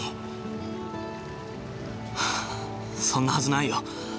はあそんなはずないよ。